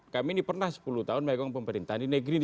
kami ini pernah sepuluh tahun megang pemerintahan di negeri ini